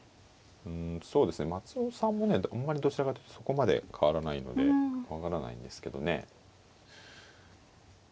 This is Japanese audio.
うんそうですね松尾さんもねあんまりどちらかというとそこまで変わらないので分からないんですけどね。